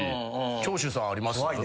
長州さんあります？